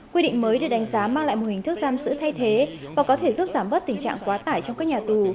quy định mới được đánh giá mang lại một hình thức giam giữ thay thế và có thể giúp giảm bớt tình trạng quá tải trong các nhà tù